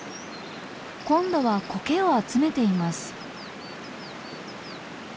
今度はコケを集めています。